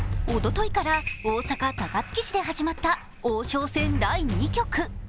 おとといから大阪・高槻市で始まった王将戦第２局。